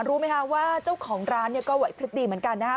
รู้ไหมคะว่าเจ้าของร้านเนี่ยก็ไหวพลิบดีเหมือนกันนะครับ